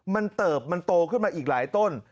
มันเติบมันโตขึ้นมาอีกหลายต้น